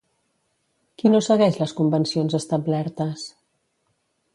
Qui no segueix les convencions establertes?